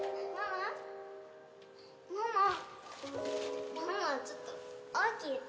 ママちょっと起きて！